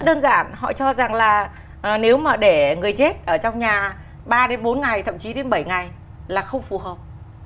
rất đơn giản họ cho rằng là nếu mà để người chết ở trong nhà ba đến bốn ngày thậm chí đến bảy ngày là không phù hợp